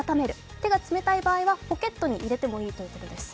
手が冷たい場合はポケットに入れてもいいということです。